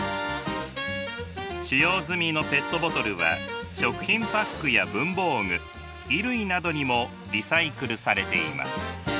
使用済みのペットボトルは食品パックや文房具衣類などにもリサイクルされています。